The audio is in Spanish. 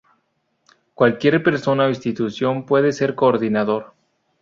Cualquier persona o institución puede ser coordinador.